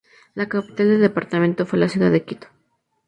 La capital del departamento fue la ciudad de Quito.